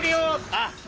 あっ！